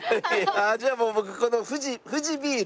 じゃあもう僕この富士ビール。